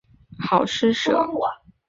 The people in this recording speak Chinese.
好施舍。